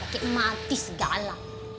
pakai mati segala